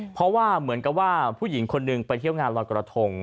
เพราะว่าเหมือนกับว่าผู้หญิงคนหนึ่งไปเที่ยวงานลอยกระทง